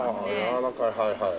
柔らかいはいはい。